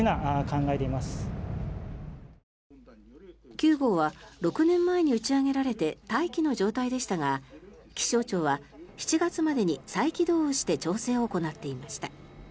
９号は６年前に打ち上げられて待機の状態でしたが気象庁は７月までに再起動をして調整を行っていました。